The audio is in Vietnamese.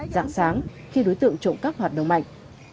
dạng sáng khi đối tượng trộm cắp hoạt động mạnh